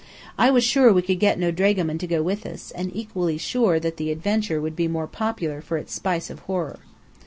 I was sure we could get no dragoman to go with us, and equally sure that the adventure would be more popular for its spice of horror.